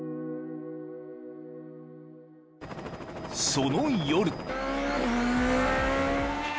［その夜］